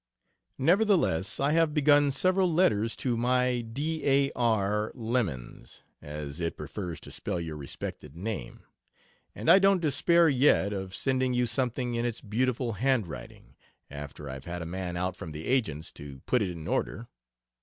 Nevertheless I have begun several letters to My d a r lemans, as it prefers to spell your respected name, and I don't despair yet of sending you something in its beautiful handwriting after I've had a man out from the agent's to put it in order.